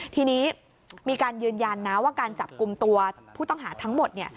ทีนี้มีการยืนยันนะว่าการจับกลุ่มตัวผู้ต้องหาทั้งหมด